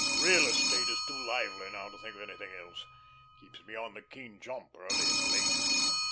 Real estate is too lively now to think of anything else; keeps me on the keen jump early and late.